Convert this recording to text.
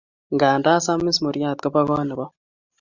Nganda samis muriat kopo kot nepo.